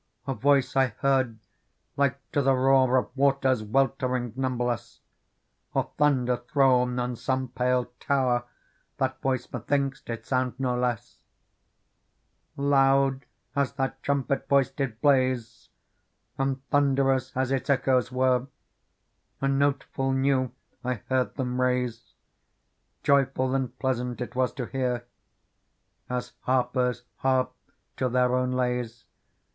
A voice I heard like to the roar Of waters weltering numberless, Or thunder thrown on some pale tower : That voice methinks did sound no less. Digitized by Google 38 PEARL ^* Loud as that trumpet voice did blaze, And thunderous as its echoes were, A note full new I heard them raise ; Joyful and pleasant it was to hear. As harpers harp to their own lays.